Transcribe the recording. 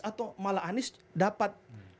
atau malah anies dapat